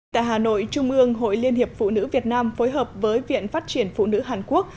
tại hà nội trung ương hội liên hiệp phụ nữ việt nam phối hợp với viện phát triển phụ nữ hàn quốc